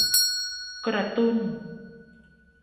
กระตุ้น